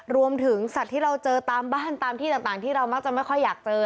รวมถึงสัตว์ที่เราเจอตามบ้านตามที่ต่างที่เรามักจะไม่ค่อยอยากเจอ